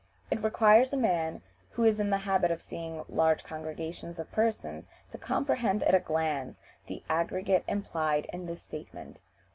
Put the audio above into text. It requires a man who is in the habit of seeing large congregations of persons to comprehend at a glance the aggregate implied in this statement.